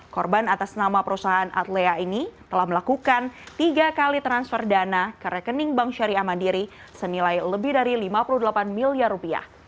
korban atas nama perusahaan atlea ini telah melakukan tiga kali transfer dana ke rekening bank syariah mandiri senilai lebih dari lima puluh delapan miliar rupiah